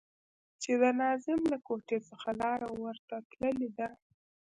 چې د ناظم له کوټې څخه لاره ورته تللې ده.